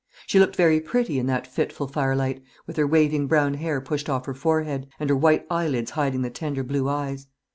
She looked very pretty in that fitful firelight, with her waving brown hair pushed off her forehead, and her white eyelids hiding the tender blue eyes.